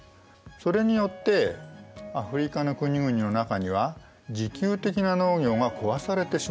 それによってアフリカの国々の中には自給的な農業が壊されてしまった所もあります。